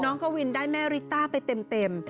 กวินได้แม่ริต้าไปเต็ม